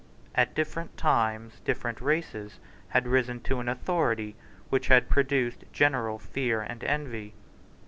At different times different races had risen to an authority which had produced general fear and envy.